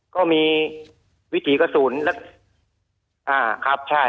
ก็มีวิถีกระสุนครับใช่